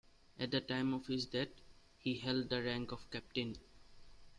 At the time of his death, he held the rank of captain.